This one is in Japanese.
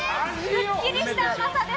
すっきりした甘さです。